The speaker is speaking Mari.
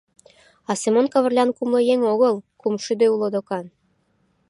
А Семон Кавырлян кумло еҥ огыл, кумшӱдӧ уло докан.